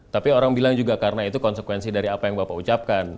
tapi orang bilang juga karena itu konsekuensi dari apa yang bapak ucapkan